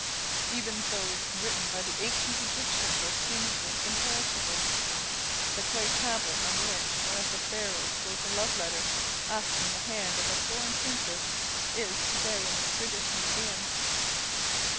Even those written by the ancient Egyptians are seemingly imperishable. The clay tablet on which one of the Pharaohs wrote a love letter, asking the hand of a foreign princess, is to day in the British Museum.